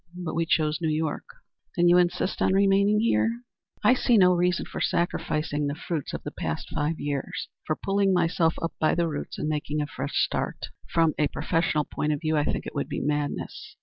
But we chose New York." "Then you insist on remaining here?" "I see no reason for sacrificing the fruits of the past five years for pulling myself up by the roots and making a fresh start. From a professional point of view, I think it would be madness."